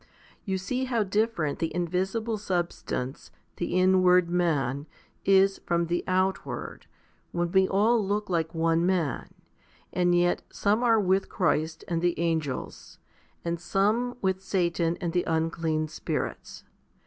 You see how different the invisible substance, the inward man, is from the outward, when we all look like one man, and yet some are with Christ and the angels, and some with Satan and the unclean spirits.